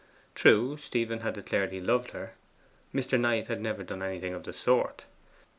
True, Stephen had declared he loved her: Mr. Knight had never done anything of the sort.